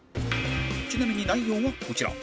ちなみに内容はこちら